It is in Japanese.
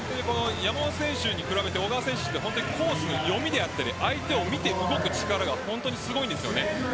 山本選手に比べて小川選手コートの読みであったり相手を見て動く力が本当に素晴らしいです。